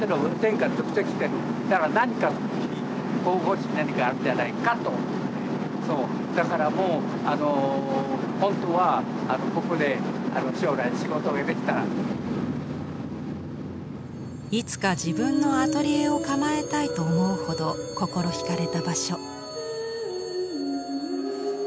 だから何かだからもうほんとはいつか自分のアトリエを構えたいと思うほど心ひかれた場所。